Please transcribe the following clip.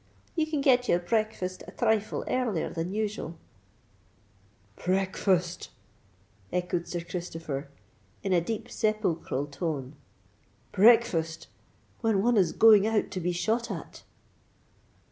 You can get your breakfast a thrifle earlier than usual——" "Breakfast!" echoed Sir Christopher, in a deep sepulchral tone; "breakfast—when one is going out to be shot at!"